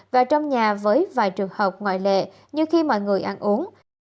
và trong nhà với vài trường hợp ngoại lệ như khi mọi người ăn uống